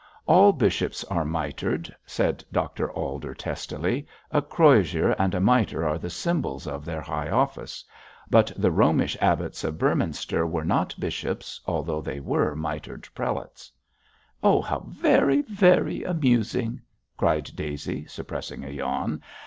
'All bishops are mitred,' said Dr Alder, testily; 'a crozier and a mitre are the symbols of their high office. But the Romish abbots of Bëorhmynster were not bishops although they were mitred prelates.' 'Oh, how very, very amusing,' cried Daisy, suppressing a yawn.